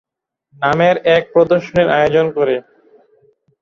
নামের এক প্রদর্শনীর আয়োজন করে।